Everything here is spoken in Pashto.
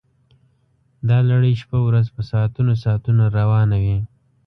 دا لړۍ شپه ورځ په ساعتونو ساعتونو روانه وي